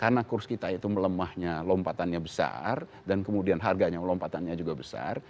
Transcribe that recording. karena kurs kita itu melemahnya lompatannya besar dan kemudian harganya lompatannya juga besar